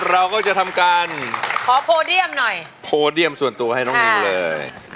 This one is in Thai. เราก็จะทำการขอโพเดียมหน่อยโพเดียมส่วนตัวให้น้องนิวเลย